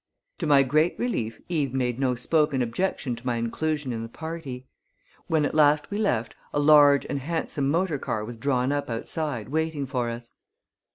To my great relief Eve made no spoken objection to my inclusion in the party. When at last we left a large and handsome motor car was drawn up outside waiting for us.